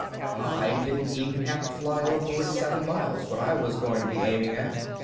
"I didn't even have to fly over at seven miles what I was going to be aiming at.